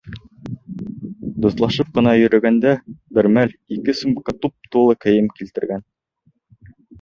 Дуҫлашып ҡына йөрөгәндә бер мәл ике сумка туп-тулы кейем килтергән.